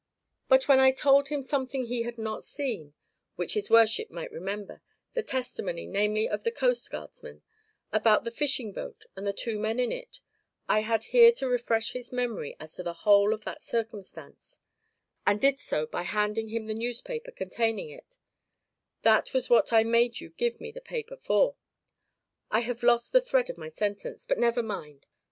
But when I told him something he had not seen which his worship might remember the testimony namely of the coast guardsmen about the fishing boat with the two men in it I had here to refresh his memory as to the whole of that circumstance and did so by handing him the newspaper containing it that was what I made you give me the paper for I have lost the thread of my sentence, but never mind.